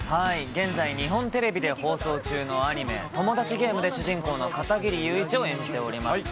現在、日本テレビで放送中のアニメ、トモダチゲームで主人公の片切友一を演じております。